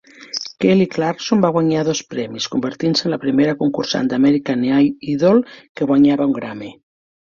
Kelly Clarkson va guanyar dos premis, convertint-se en la primera concursant d'American Idol que guanyava un Grammy.